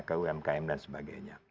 ke umkm dan sebagainya